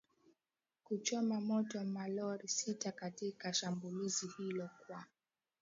kuchoma moto malori sita katika shambulizi hilo kwa